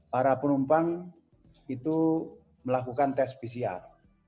para penumpang itu melakukan tes pcr